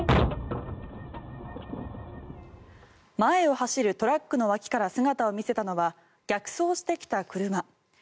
前を走るトラックの脇から姿を見せたのは逆走してきた車。